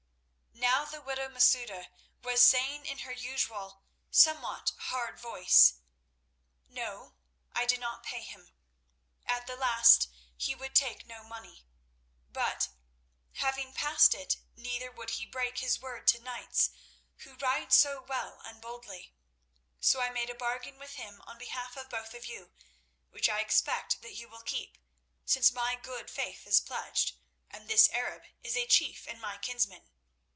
Now the widow Masouda was saying in her usual somewhat hard voice: "No; I did not pay him. At the last he would take no money; but, having passed it, neither would he break his word to knights who ride so well and boldly. So I made a bargain with him on behalf of both of you, which I expect that you will keep, since my good faith is pledged, and this Arab is a chief and my kinsman.